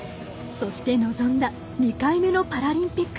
そして臨んだ２回目のパラリンピック。